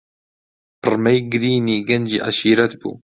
پڕمەی گرینی گەنجی عەشیرەت بوو.